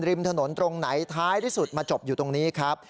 ริมถนนตรงไหนท้ายที่สุดมาจบอยู่ตรงนี้ครับ